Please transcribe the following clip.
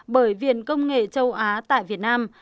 bởi viện công nghệ châu á tại việt nam